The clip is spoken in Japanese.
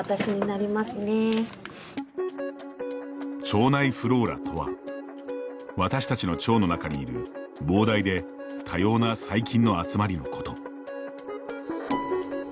腸内フローラとは私たちの腸の中にいる膨大で多様な細菌の集まりのこと。